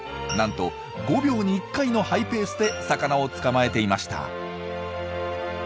なんと５秒に１回のハイペースで魚を捕まえていました。